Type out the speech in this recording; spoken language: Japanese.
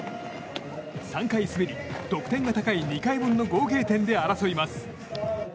３回滑り、得点が高い２回分の合計点で争います。